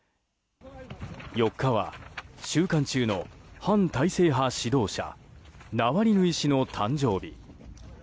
４日は、収監中の反体制派指導者ナワリヌイ氏の誕生日。